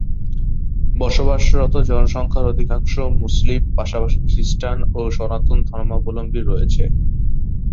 বসবাসরত জনসংখ্যার অধিকাংশ মুসলিম, পাশাপাশি খ্রিস্টান ও সনাতন ধর্মাবলম্বী রয়েছে।